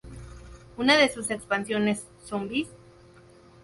Una de sus expansiones, "Zombies!!!